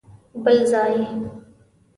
بل ځای؟!